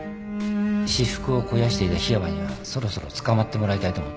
私腹を肥やしていた樋山にはそろそろ捕まってもらいたいと思っていたんですよ。